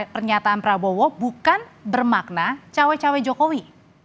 pernyataan prabowo bukan bermakna cawe cawe jokowi